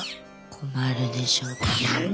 困るでしょって。